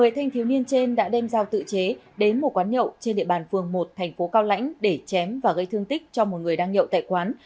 một mươi thanh thiếu niên trên đã đem giao tự chế đến một quán nhậu trên địa bàn phường một thành phố cao lãnh để chém và gây thương tích cho một người đang nhậu tại quán